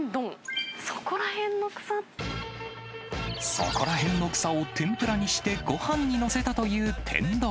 そこらへんの草を天ぷらにして、ごはんに載せたという天丼。